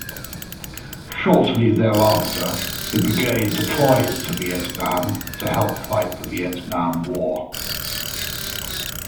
Shortly thereafter, the brigade deployed to Vietnam to help fight the Vietnam War.